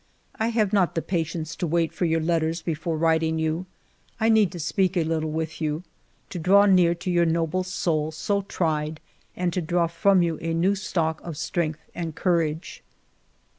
"I have not the patience to wait for your letters before writing you ; I need to speak a little with you, to draw near to your noble soul, so tried, and to draw from you a new stock of strength and courage."